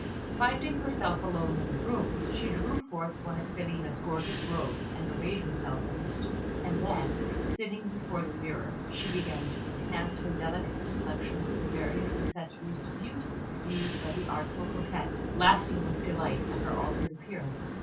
Finding herself alone in the room, she drew forth one of Filina's gorgeous robes, and arrayed herself in it; and then, sitting before the mirror, she began to enhance her delicate complexion with the various accessories to beauty used by the artful coquette, laughing with delight at her altered appearance.